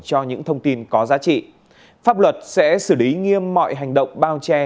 cho những thông tin có giá trị pháp luật sẽ xử lý nghiêm mọi hành động bao che